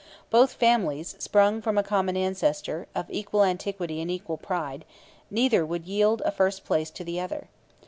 Both families, sprung from a common ancestor, of equal antiquity and equal pride, neither would yield a first place to the other.